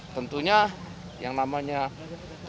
tentunya yang namanya proses pemilu itu akan berjalan